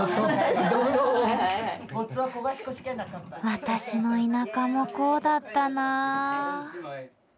私の田舎もこうだったな。